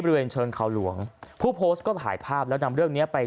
บริเวณเชิงเขาหลวงผู้โพสต์ก็ถ่ายภาพแล้วนำเรื่องเนี้ยไป